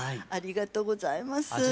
ありがとうございます。